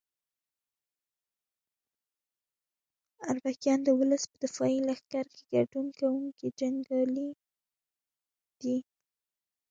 اربکیان د ولس په دفاعي لښکر کې ګډون کوونکي جنګیالي دي.